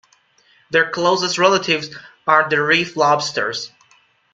Their closest relatives are the reef lobsters.